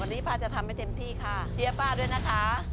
วันนี้ป้าจะทำให้เต็มที่ค่ะเชียร์ป้าด้วยนะคะ